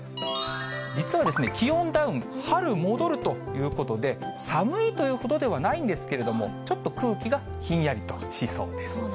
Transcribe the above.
実は気温ダウン、春戻るということで、寒いというほどではないんですけれども、ちょっと空気がひんやりとしそうです。